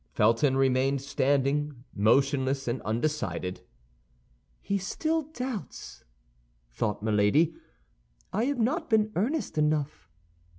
Felton remained standing, motionless and undecided. "He still doubts," thought Milady; "I have not been earnest enough."